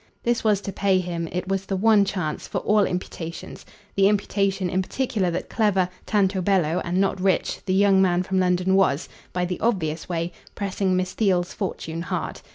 This was to pay him it was the one chance for all imputations; the imputation in particular that, clever, tanto bello and not rich, the young man from London was by the obvious way pressing Miss Theale's fortune hard.